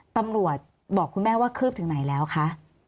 ตำรวจบอกคุณแม่ว่าคืบถึงไหนแล้วคะ